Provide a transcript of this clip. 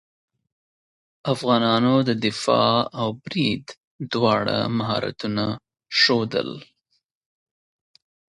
افغانانو د دفاع او برید دواړه مهارتونه ښودل.